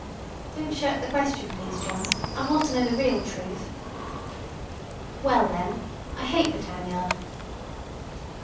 "Don't shirk the question, please, John. I want to know the real truth." "Well, then, I hate the tan yard."